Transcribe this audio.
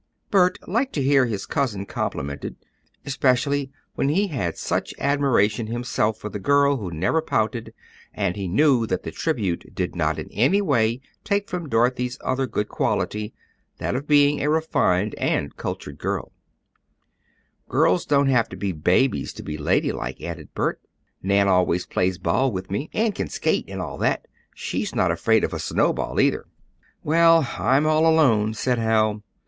Bert liked to hear his cousin complimented, especially when he had such admiration himself for the girl who never pouted, and he knew that the tribute did not in any way take from Dorothy's other good quality, that of being a refined and cultured girl. "Girls don't have to be babies to be ladylike," added Bert. "Nan always plays ball with me, and can skate and all that. She's not afraid of a snowball, either." "Well, I'm all alone," said Hal.